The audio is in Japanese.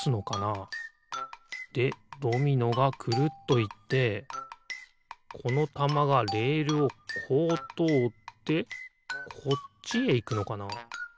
でドミノがくるっといってこのたまがレールをこうとおってこっちへいくのかな？